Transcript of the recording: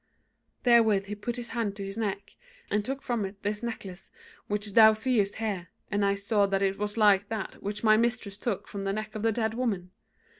Therewith he put his hand to his neck, and took from it this necklace which thou seest here, and I saw that it was like that which my mistress took from the neck of the dead woman.